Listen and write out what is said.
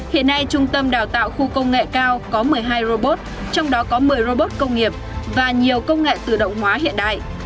hiện nay trung tâm đào tạo khu công nghệ cao có một mươi hai robot trong đó có một mươi robot công nghiệp và nhiều công nghệ tự động hóa hiện đại